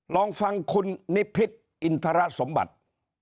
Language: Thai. ลองฟังคุณนิพิษอินทรสมบัติ